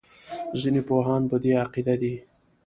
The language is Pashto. ځینې پوهان په دې عقیده دي.